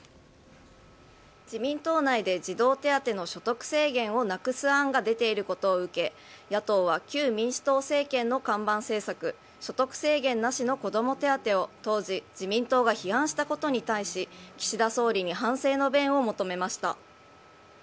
自民党内で児童手当の所得制限をなくす案が出ていることを受け、野党は旧民主党政権の看板政策、所得制限なしの子ども手当を当時、自民党が批判したことに対し、岸田総理に反省の弁を求めました。